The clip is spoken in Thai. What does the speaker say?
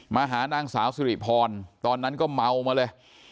มาหานางสาวสิริพรตอนนั้นก็เมามาเลย